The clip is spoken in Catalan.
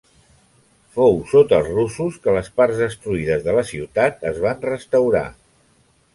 Fou sota els russos que les parts destruïdes de la ciutat es van restaurar.